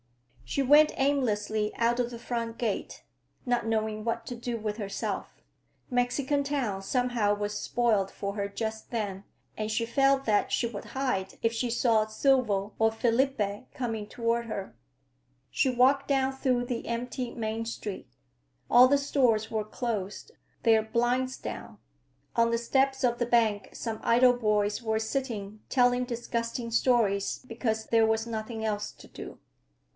She went aimlessly out of the front gate, not knowing what to do with herself. Mexican Town, somehow, was spoiled for her just then, and she felt that she would hide if she saw Silvo or Felipe coming toward her. She walked down through the empty main street. All the stores were closed, their blinds down. On the steps of the bank some idle boys were sitting, telling disgusting stories because there was nothing else to do.